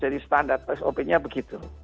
jadi standar sop nya begitu